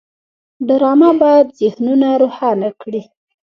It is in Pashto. ډرامه باید ذهنونه روښانه کړي